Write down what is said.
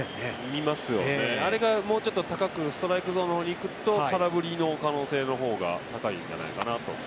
見ますよね、あれが高く、ストライクゾーンにいくと空振りの可能性の方が高いんじゃないかなと。